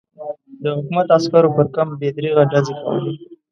د حکومت عسکرو پر کمپ بې دریغه ډزې کولې.